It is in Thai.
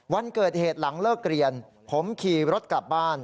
วันเกิดเหตุหลังเลิกเรียนผมขี่รถกลับบ้าน